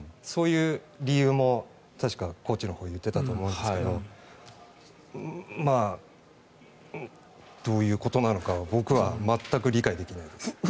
そういう理由も確かコーチが言っていたと思うんですがどういうことなのか僕は全く理解できないです。